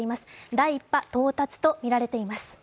第１波到達とみられています。